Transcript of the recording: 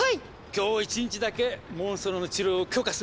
今日１日だけモンストロの治療を許可するわ。